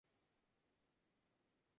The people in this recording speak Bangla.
তুমি তো জানো আমি ওকে ভালোবেসে বিয়ে করেছিলাম?